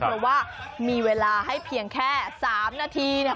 เพราะว่ามีเวลาให้เพียงแค่๓นาทีเนี่ย